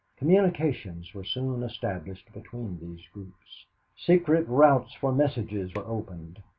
Communications were soon established between these groups. Secret routes for messages were opened.